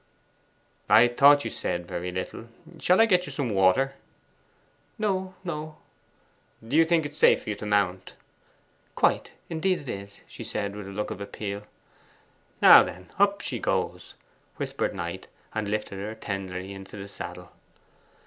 'I thought you said very little. Shall I get some water?' 'No, no.' 'Do you think it is safe for you to mount?' 'Quite indeed it is,' she said, with a look of appeal. 'Now then up she goes!' whispered Knight, and lifted her tenderly into the saddle.